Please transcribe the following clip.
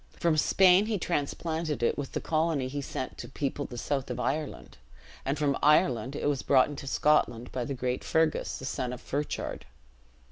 From Spain he transplanted it with the colony he sent to people the south of Ireland; and from Ireland it was brought into Scotland by the great Fergus, the son of Ferchard.